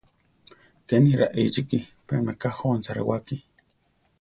Kéni raíchiki; pé meká jónsa rewáki.